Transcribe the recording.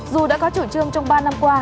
dù đã có chủ trương trong ba năm qua